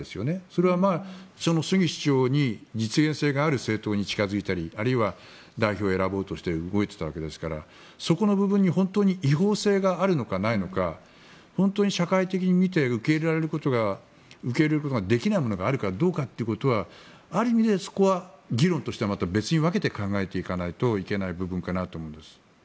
それは主義・主張に実現性のある政党に近付いたりあるいは代表を選ぼうとして動いていたわけですからそこの部分に本当に違法性があるのか、ないのか社会的に見て受け入れることができるものがあるかということはある意味でそこは議論としてはまた別に分けて考えていかないといけない部分かなと思うんです。